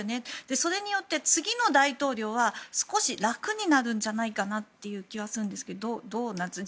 それによって次の大統領は少し楽になるんじゃないかという気がするんですがどうなんでしょうか？